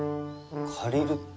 借りる？